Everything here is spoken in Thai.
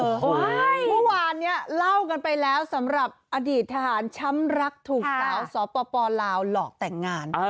เมื่อวานนี้เล่ากันไปแล้วสำหรับอดีตทหารช้ำรักถูกสาวสปลาวหลอกแต่งงาน